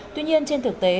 tuy nhiên trên thực tế